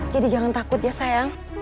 jadi jangan takut ya sayang